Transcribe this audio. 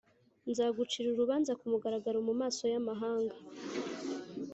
nzagucira urubanza ku mugaragaro mu maso y’amahanga